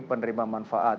jadi ini memang manfaat